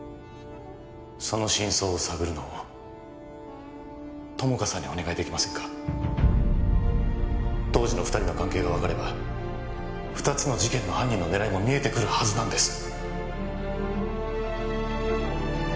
その真相を探るのを友果さんにお願いできませんか当時の二人の関係が分かれば二つの事件の犯人の狙いも見えてくるはずなんです